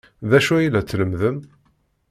D acu ay la tlemmdem?